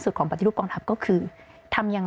สิ่งที่ประชาชนอยากจะฟัง